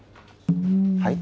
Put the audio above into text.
はい？